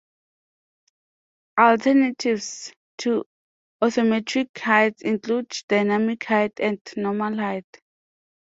Alternatives to orthometric height include dynamic height and normal height.